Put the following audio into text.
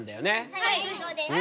はいそうです。